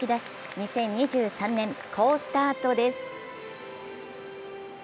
２０２３年、好スタートです。